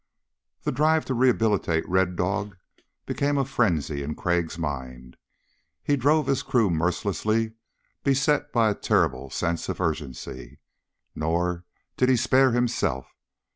The drive to rehabilitate Red Dog became a frenzy in Crag's mind. He drove his crew mercilessly, beset by a terrible sense of urgency. Nor did he spare himself.